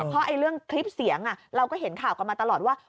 เพราะเรื่องคลิปเสียงเราก็เห็นข่าวกันมาตลอดว่า